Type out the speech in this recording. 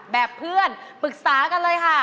แบบเพื่อนปรึกษากันเลยค่ะ